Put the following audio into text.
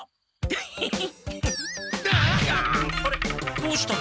どうしたの？